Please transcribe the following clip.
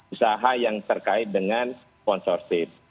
usaha yang terkait dengan sponsorship